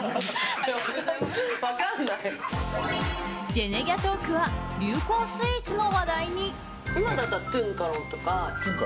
ジェネギャトークは流行スイーツの話題に。